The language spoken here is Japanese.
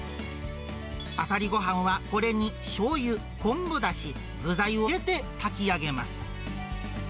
あさりごはんはこれにしょうゆ、昆布だし、具材を入れて炊き上げます。